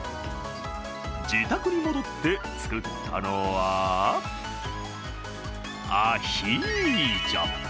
自宅に戻って作ったのはアヒージョ。